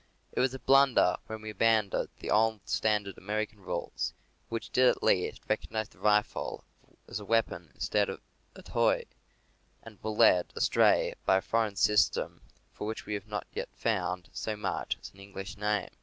It was a blunder when we abandoned the old Standard American rules, which did at least recognize the rifle as a weapon instead of a toy, and were led astray by a foreign system for which we have not yet found so much as an English name.